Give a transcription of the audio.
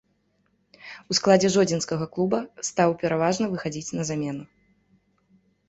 У складзе жодзінскага клуба стаў пераважна выхадзіць на замену.